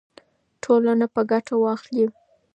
ټولنه به ګټه واخلي.